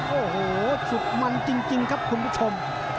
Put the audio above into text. โอ้โหสุดมันจริงครับคุณผู้ชม